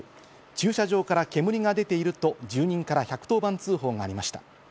駐車場から煙が出ていると、住人から１１０番通報がありました。